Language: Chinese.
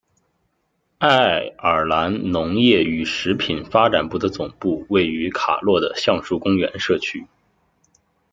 爱尔兰农业与食品发展部的总部位于卡洛的橡树公园社区。